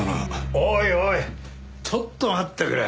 おいおいちょっと待ってくれ。